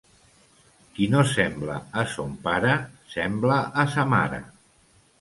Qui no sembla a son pare, sembla a sa mare.